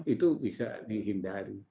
itu bisa dihindari